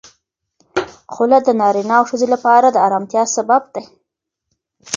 خلع د نارینه او ښځې لپاره د آرامتیا سبب دی.